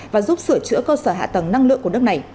và giúp sửa chữa cơ sở hạ tầng năng lượng của nước này